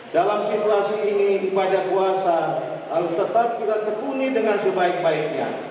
dalam situasi ini ibadah puasa harus tetap kita tekuni dengan sebaik baiknya